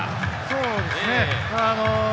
そうですね。